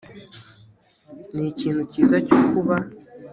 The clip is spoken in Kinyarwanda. ni ikintu cyiza cyo kuba